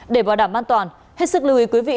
để bảo đảm an toàn hết sức lưu ý quý vị